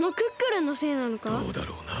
どうだろうな？